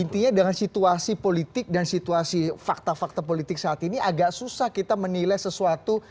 intinya dengan situasi politik dan situasi fakta fakta politik saat ini agak susah kita menilai sesuatu